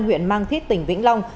huyện mang thiết tỉnh vĩnh long